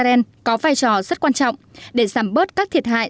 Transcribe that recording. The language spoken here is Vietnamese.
ren có vai trò rất quan trọng để giảm bớt các thiệt hại